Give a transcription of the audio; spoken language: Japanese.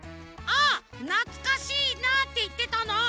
「ああなつかしいなあ」っていってたの。